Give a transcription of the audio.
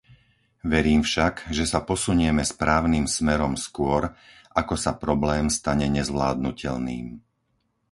Verím však, že sa posunieme správnym smerom skôr, ako sa problém stane nezvládnuteľným.